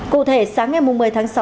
cụ thể sáng ngày một mươi tháng sáu